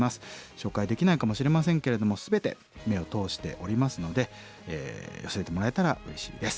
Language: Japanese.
紹介できないかもしれませんけれども全て目を通しておりますので寄せてもらえたらうれしいです。